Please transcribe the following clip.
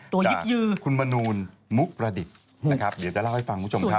ยึดคุณมนูลมุประดิษฐ์นะครับเดี๋ยวจะเล่าให้ฟังคุณผู้ชมครับ